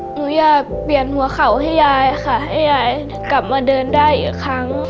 หนูอยากเปลี่ยนหัวเข่าให้ยายค่ะให้ยายกลับมาเดินได้อีกครั้ง